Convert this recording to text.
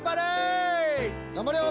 頑張れよ！